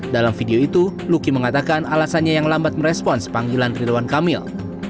dalam video itu luki mengatakan alasannya yang lambat merespons panggilan ridwan kamil